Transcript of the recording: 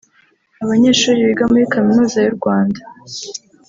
Abanyeshuri biga muri Kaminuza y’u Rwanda